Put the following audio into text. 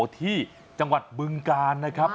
ที่จังหวัดบึงกาลนะครับ